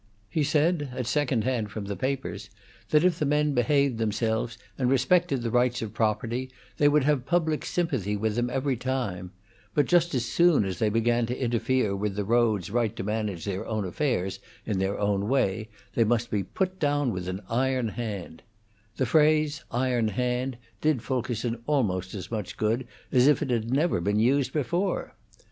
He said, at second hand from the papers, that if the men behaved themselves and respected the rights of property, they would have public sympathy with them every time; but just as soon as they began to interfere with the roads' right to manage their own affairs in their own way, they must be put down with an iron hand; the phrase "iron hand" did Fulkerson almost as much good as if it had never been used before.